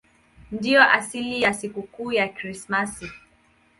Ndiyo asili ya sikukuu ya Krismasi.